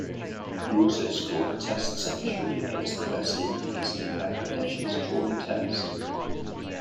He also scored a Test century against the West Indies in Bangladesh's drawn Test.